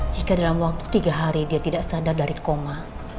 jika dalam waktu tiga hari dia tidak sadar dari koma